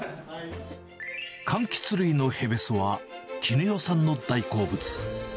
かんきつ類のへべすは、絹代さんの大好物。